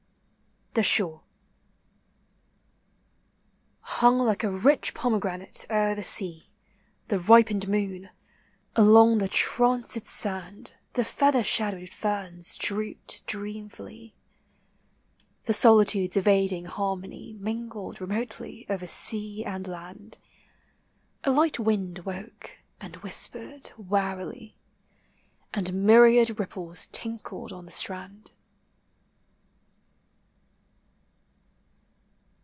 THE SHORE. FROM " ARIADNE." Hung like a rich pomegranate o'er the sea The ripened moon ; along the tranced sand The feather shadowed ferns drooped dreamfully; The solitude's evading harmony Mingled remotely over sea and land; A light wind woke and whispered warily. And myriad ripples tinkled on the strand.